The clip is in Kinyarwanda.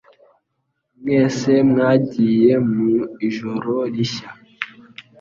Mwese mwagiye mu ijoro rishya?